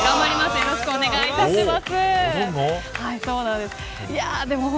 よろしくお願いします。